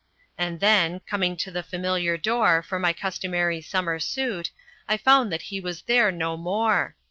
And then, coming to the familiar door, for my customary summer suit, I found that he was there no more.